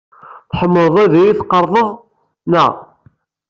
Tḥemmleḍ ad iyi-tqerḍeḍ, naɣ?